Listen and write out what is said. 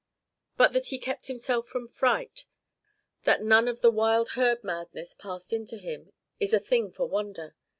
But that he kept himself from fright, that none of the wild herd madness passed into him, is a thing for wonder.